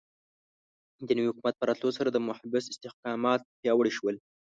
د نوي حکومت په راتلو سره د محبس استحکامات پیاوړي شول.